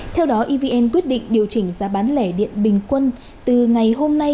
theo đó evn quyết định điều chỉnh giá bán lẻ điện bình quân từ ngày hôm nay